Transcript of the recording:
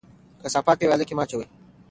کثافات په ویاله کې مه اچوئ.